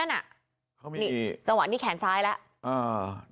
นี่จังหวะนี้แขนซ้ายแล้ว